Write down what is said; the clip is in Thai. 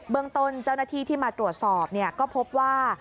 เมืองต้นเจ้าหน้าที่ที่มาตรวจสอบก็พบว่า